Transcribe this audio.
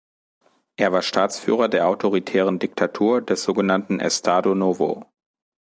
Er war Staatsführer der autoritären Diktatur des sogenannten Estado Novo.